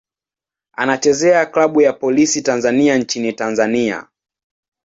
Anachezea klabu ya Polisi Tanzania nchini Tanzania.